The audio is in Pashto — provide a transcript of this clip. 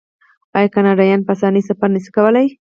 آیا کاناډایان په اسانۍ سفر نشي کولی؟